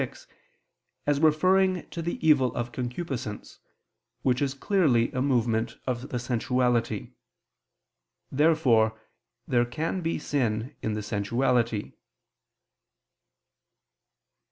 xii, 2, 3), as referring to the evil of concupiscence, which is clearly a movement of the sensuality. Therefore there can be sin in the sensuality.